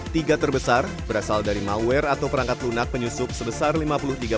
tiga terbesar berasal dari malware atau perangkat lunak penyusup sebesar ruang siber